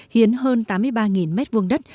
hiến hơn tám mươi ba m hai đất